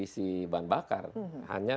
isi bahan bakar hanya